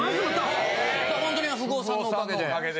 ホントに不遇男さんのおかげで。